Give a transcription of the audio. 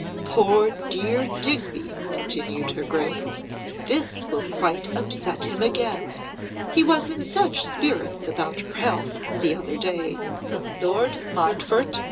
'Poor dear Digby,' continued her grace, 'this will quite upset him again. He was in such spirits about her health the other day.' 'Lord Montfort?